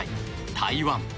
台湾。